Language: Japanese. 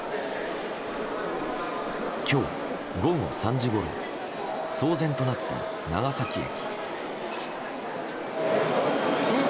今日午後３時ごろ騒然となった長崎駅。